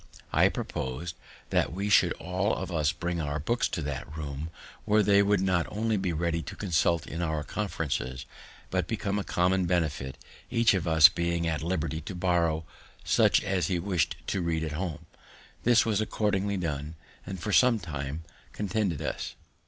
I propos'd that we should all of us bring our books to that room, where they would not only be ready to consult in our conferences, but become a common benefit, each of us being at liberty to borrow such as he wish'd to read at home. This was accordingly done, and for some time contented us.